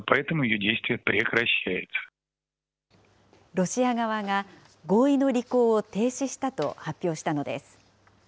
ロシア側が合意の履行を停止したと発表したのです。